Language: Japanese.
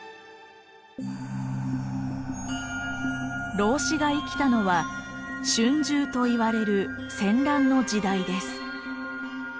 老子が生きたのは春秋といわれる戦乱の時代です。